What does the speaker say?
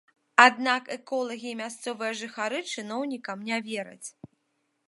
Аднак эколагі і мясцовыя жыхары чыноўнікам не вераць.